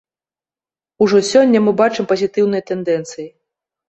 Ужо сёння мы бачым пазітыўныя тэндэнцыі.